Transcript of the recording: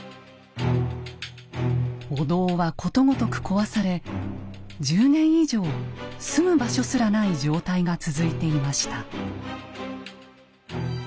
お堂はことごとく壊され１０年以上住む場所すらない状態が続いていました。